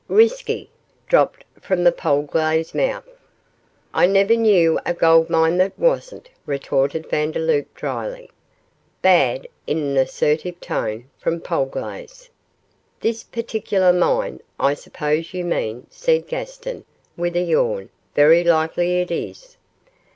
'Risky,' dropped from the Polglaze mouth. 'I never knew a gold mine that wasn't,' retorted Vandeloup, dryly. 'Bad,' in an assertive tone, from Polglaze. 'This particular mine, I suppose you mean?' said Gaston, with a yawn, 'very likely it is.